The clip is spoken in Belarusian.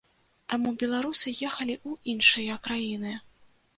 Таму беларусы ехалі ў іншыя краіны.